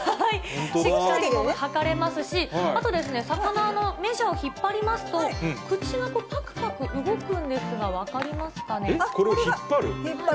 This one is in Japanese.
が測れますし、あと魚のメジャーを引っ張りますと、口がぱくぱく動くんですが、これを引っ張る？